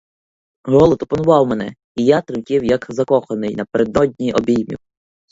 Голод опанував мене, і я тремтів, як закоханий напередодні обіймів.